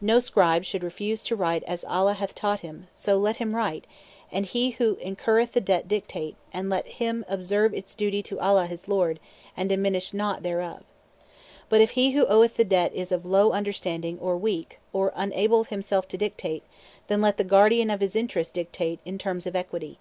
No scribe should refuse to write as Allah hath taught him, so let him write, and let him who incurreth the debt dictate, and let him observe his duty to Allah his Lord, and diminish naught thereof. But if he who oweth the debt is of low understanding, or weak, or unable himself to dictate, then let the guardian of his interests dictate in (terms of) equity.